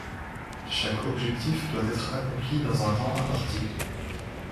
Chaque objectif doit être accompli dans un temps imparti.